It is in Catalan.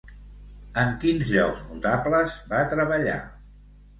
En quins llocs notables va treballar?